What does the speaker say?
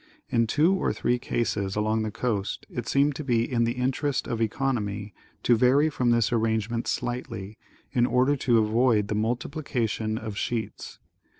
In two or thi'ee cases along the coast it seemed to be in the interest of economy to vary from this arrangement slightly, in order to avoid the multi plication of sheets.